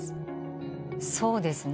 そうですね。